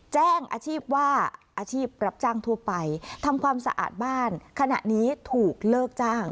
แจ้งอาชีพว่าอาชีพรับจ้างทั่วไปทำความสะอาดบ้านขณะนี้ถูกเลิกจ้าง